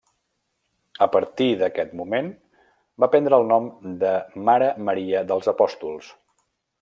A partir d'aquest moment, va prendre el nom de Mare Maria dels Apòstols.